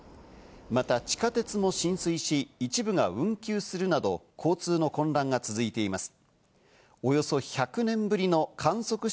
また地下鉄も浸水し、一部が運休するなど交通の混乱が続いています。